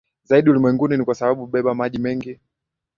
zaidi ulimwenguni ni kwa sababu hubeba maji mengi